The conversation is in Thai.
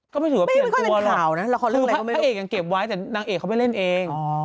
ก็ไม่ถือว่าเปลี่ยนตัวหรือเปล่านะพระเอกยังเก็บไว้แต่นางเอกเขาไปเล่นเอง